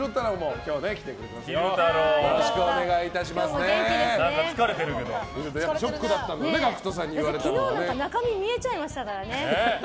昨日、中身が見えちゃいましたからね。